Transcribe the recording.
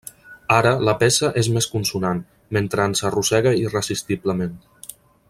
Ara la peça és més consonant, mentre ens arrossega irresistiblement.